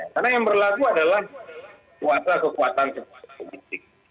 karena yang berlaku adalah kuasa kekuatan sebuah politik